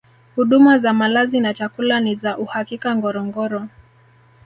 huduma za malazi na chakula ni za uhakika ngorongoro